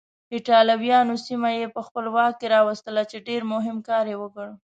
ایټالویانو سیمه یې په خپل واک کې راوستله چې ډېر مهم کار یې وکړ.